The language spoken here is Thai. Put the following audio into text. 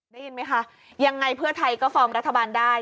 ได้ยินไหมคะยังไงเพื่อไทยก็ฟอร์มรัฐบาลได้